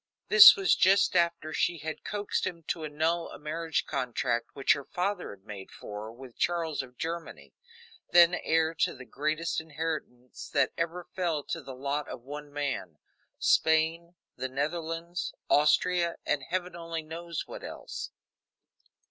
This was just after she had coaxed him to annul a marriage contract which her father had made for her with Charles of Germany, then heir to the greatest inheritance that ever fell to the lot of one man Spain, the Netherlands, Austria, and heaven only knows what else.